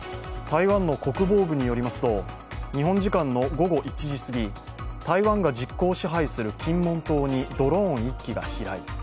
台湾の国防部によりますと日本時間の午後１時すぎ台湾が実効支配する金門島にドローン１機が飛来。